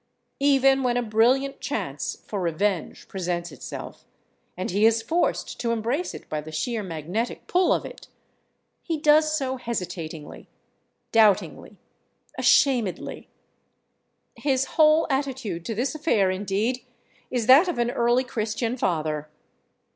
Even when a brilliant chance for revenge presents itself, and he is forced to embrace it by the sheer magnetic pull of it, he does so hesitatingly, doubtingly, ashamedly. His whole attitude to this affair, indeed, is that of an Early Christian Father.